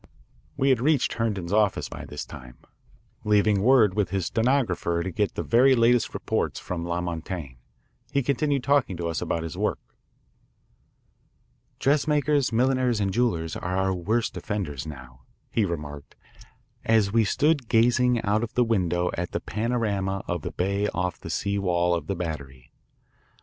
We had reached Herndon's office by this time. Leaving word with his stenographer to get the very latest reports from La Montaigne, he continued talking to us about his work. Dressmakers, milliners, and jewellers are our worst offenders now," he remarked as we stood gazing out of the window at the panorama of the bay off the sea wall of the Battery.